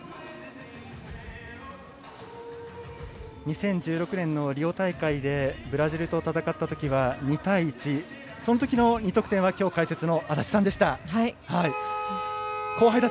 ２０１６年のリオ大会でブラジルと戦ったときは２対１、そのときの２得点はきょう解説の安達さんでした。